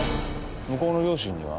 向こうの両親には？